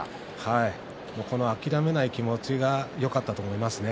この諦めない気持ちがよかったと思いますね。